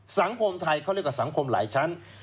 สังคมไทยเขาเรียกว่าสังคมหลายชั้น